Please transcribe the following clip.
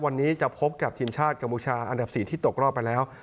วันนี้จะพบกับทีมชาติกัมพูชาอันดับ๔ที่ตกรอบไปแล้ว